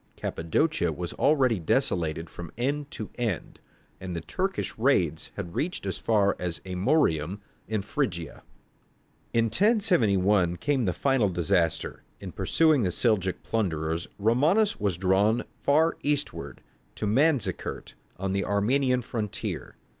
Cappadocia was already desolated from end to end, and the Turkish raids had reached as far as Amorium, in Phrygia. In 1071 came the final disaster. In pursuing the Seljouk plunderers, Romanus was drawn far eastward, to Manzikert, on the Armenian frontier.